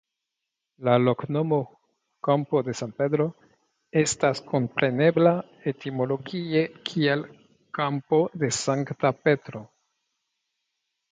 La loknomo "Campo de San Pedro" estas komprenebla etimologie kiel Kampo de Sankta Petro.